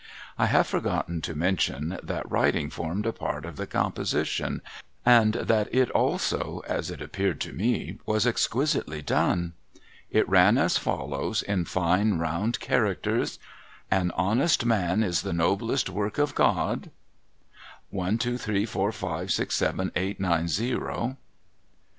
I have forgotten to mention that writing formed a part of the com position, and that it also — as it appeared to me — was exquisitely done. It ran as follows, in fine round characters :' An honest man is the noblest work of God. 1234567890. ^s. d.